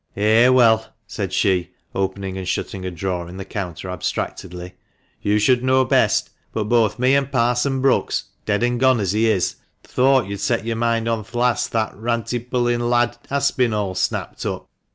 "Eh, well!" sighed she, opening and shutting a drawer in the counter abstractedly, "you should know best, but both me and Parson Brookes (dead and gone as he is) thought you'd set your mind on th' lass that rantipollin lad Aspinall snapped up.